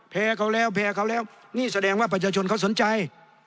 แพ้เขาแล้วแพ้เขาแล้วนี่แสดงว่าประชาชนเขาสนใจ